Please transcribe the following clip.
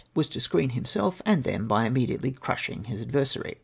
^vas to screen himself mid them by immetliately cnish iug liis adversary.